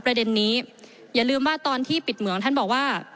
ประเด็นนี้อย่าลืมว่าตอนที่ปิดเหมืองท่านบอกว่า